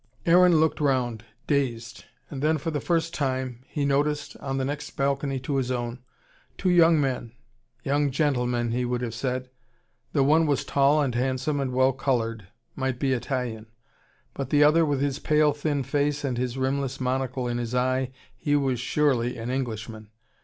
Aaron looked round, dazed. And then for the first time he noticed, on the next balcony to his own, two young men: young gentlemen, he would have said. The one was tall and handsome and well coloured, might be Italian. But the other with his pale thin face and his rimless monocle in his eye, he was surely an Englishman.